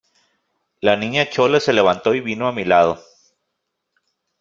la Niña Chole se levantó y vino a mi lado.